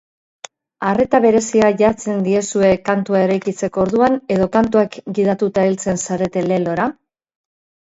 Arreta berezia jartzen diezue kantua eraikitzeko orduan edo kantuak gidatuta heltzen zarete lelora?